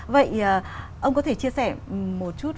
vậy ông có thể chia sẻ một chút